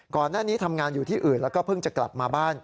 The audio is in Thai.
ก่อนหน้านี้ทำงานอยู่ที่อื่นแล้วก็เพิ่งจะกลับมาบ้าน